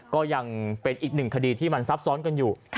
ก็ยังเป็นอีกหนึ่งคดีที่มันซับซ้อนกันอยู่